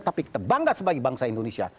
tapi kita bangga sebagai bangsa indonesia